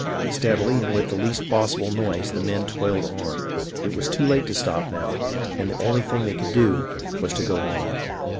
Steadily and with the least possible noise the men toiled on. It was too late to stop now, and the only thing they could do was to go on.